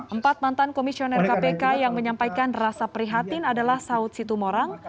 empat mantan komisioner kpk yang menyampaikan rasa prihatin adalah saud situmorang